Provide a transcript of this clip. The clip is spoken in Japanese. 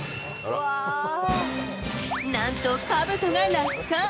なんとかぶとが落下。